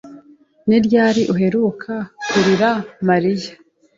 Ni ryari uheruka kurira Mariya?